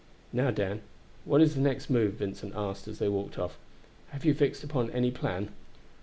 "Now, Dan, what is the next move?" Vincent asked as they walked off. "Have you fixed upon any plan?"